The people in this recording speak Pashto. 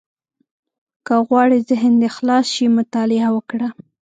• که غواړې ذهن دې خلاص شي، مطالعه وکړه.